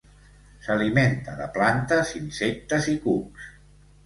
S'alimenta de plantes, insectes i cucs.